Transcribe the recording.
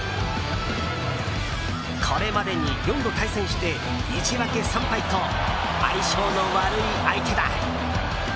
これまでに４度対決して１分け３敗と相性の悪い相手だ。